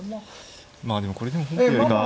まあでもこれでも本譜よりか。